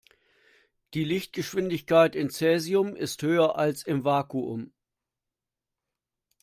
Die Lichtgeschwindigkeit in Cäsium ist höher als im Vakuum.